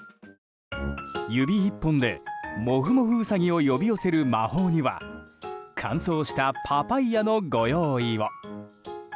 指１本で、もふもふウサギを呼び寄せる魔法には乾燥したパパイアのご用意を。